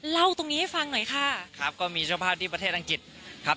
เล่าตรงนี้ให้ฟังหน่อยค่ะครับก็มีเจ้าภาพที่ประเทศอังกฤษครับ